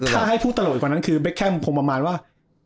ถ้าให้พูดตลกกว่านั้นคือเบคแคมคงประมาณว่า